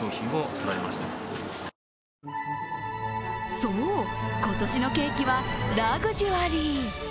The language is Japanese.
そう、今年のケーキはラグジュアリー。